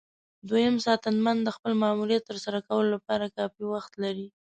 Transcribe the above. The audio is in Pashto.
دوهم ساتنمن د خپل ماموریت ترسره کولو لپاره کافي وخت لري.